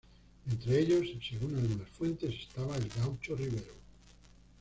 Entre ellos, según algunas fuentes, estaba el Gaucho Rivero.